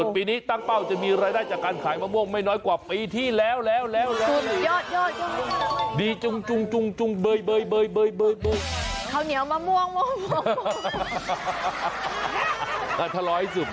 ปีนี้ตั้งเป้าจะมีรายได้จากการขายมะม่วงไม่น้อยกว่าปีที่แล้วแล้ว